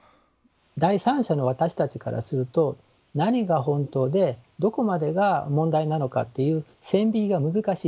第三者の私たちからすると何が本当でどこまでが問題なのかっていう線引きが難しい。